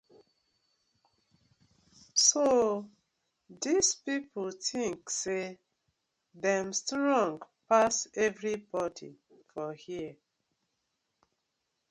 So dis pipu tink say dem strong pass everibodi for here.